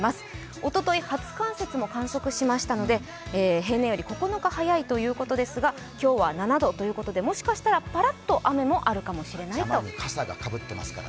おととい、初冠雪も観測しましたので、平年より９日早いということですが今日は７度ということで、もしかしたらパラッと雨があるかもしれません。